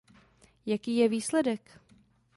Jaký je výsledek?